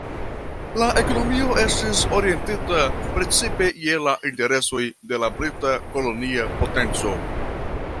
La ekonomio estis orientita precipe je la interesoj de la brita kolonia potenco.